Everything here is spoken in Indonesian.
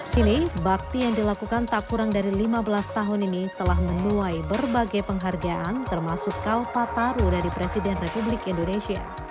kini bakti yang dilakukan tak kurang dari lima belas tahun ini telah menuai berbagai penghargaan termasuk kalpataru dari presiden republik indonesia